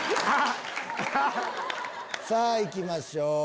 さぁ行きましょう。